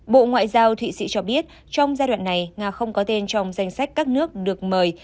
bộ ngoại giao thụy sĩ cho biết trong giai đoạn này nga không có tên trong danh sách các nước được mời